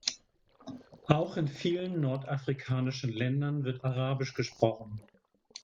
Auch in vielen nordafrikanischen Ländern wird arabisch gesprochen.